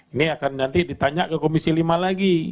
ini akan nanti ditanya ke komisi lima lagi